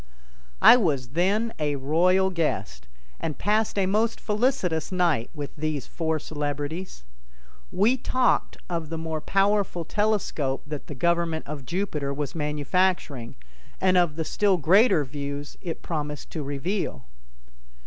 I was then a royal guest, and passed a most felicitous night with these four celebrities. We talked of the more powerful telescope that the government of Jupiter was manufacturing, and of the still greater views it promised to reveal.